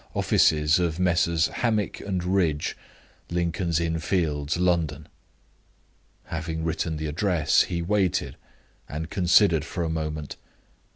Offices of Messrs. Hammick and Ridge, Lincoln's Inn Fields, London." Having written the address, he waited, and considered for a moment.